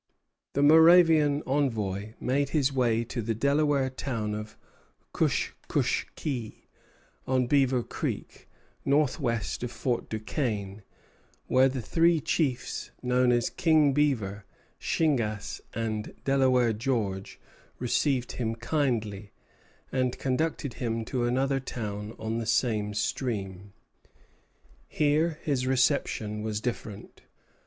The Moravian envoy made his way to the Delaware town of Kushkushkee, on Beaver Creek, northwest of Fort Duquesne, where the three chiefs known as King Beaver, Shingas, and Delaware George received him kindly, and conducted him to another town on the same stream. Here his reception was different.